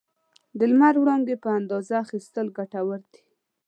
د لمر وړانګې په اندازه اخیستل ګټور دي.